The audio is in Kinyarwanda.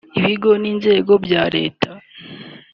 ibigo n’inzego bya Leta